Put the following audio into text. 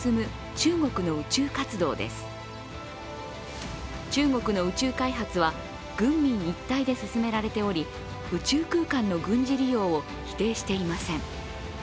中国の宇宙開発は軍民一体で進められており宇宙空間の軍事利用を否定していません。